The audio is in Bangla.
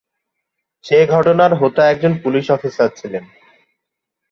সেই ঘটনার হোতা একজন পুলিশ অফিসার ছিলেন।